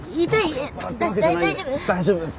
大丈夫です。